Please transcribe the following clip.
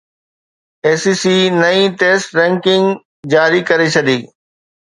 اي C C نئين test ranking جاري ڪري ڇڏي